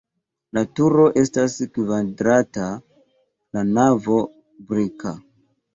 La turo estas kvadrata, la navo brika.